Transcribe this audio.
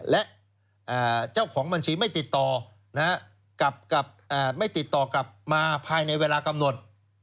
และเจ้าของบัญชีไม่ติดต่อกลับมาภายในเวลากำหนด